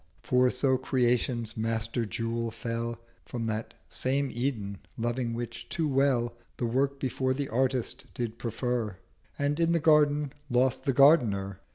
320 For so Creation's Master Jewel fell From that same Eden: loving which too well, The Work before the Artist did prefer, And in the Garden lost the Gardener.